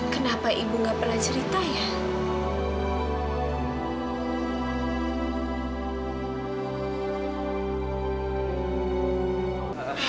kenapa ibu nggak pernah cerita ya